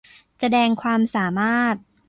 แสดงความสามารถ